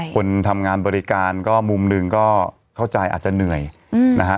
คนทำงานบริการก็มุมหนึ่งก็เข้าใจอาจจะเหนื่อยนะฮะ